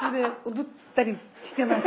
踊ったりしてます。